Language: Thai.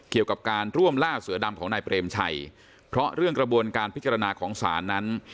เกี่ยวกับการร่วมล่าเสือดำของนายเปรมชัยเพราะเรื่องกระบวนการพิจารณาของศาลนั้น